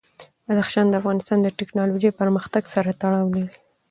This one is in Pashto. بدخشان د افغانستان د تکنالوژۍ پرمختګ سره تړاو لري.